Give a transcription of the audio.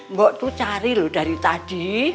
mbok tuh cari loh dari tadi